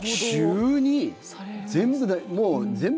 急に、全部。